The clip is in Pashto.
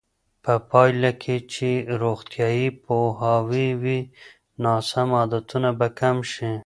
په پایله کې چې روغتیایي پوهاوی وي، ناسم عادتونه به کم شي.